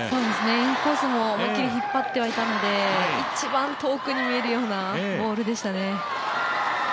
インコースも思いっきり引っ張ってはいたので、一番遠くに見えるようなボールでしたね。